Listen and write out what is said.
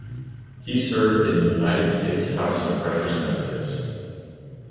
He served in the United States House of Representatives.